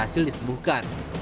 dan hasil disebuhkan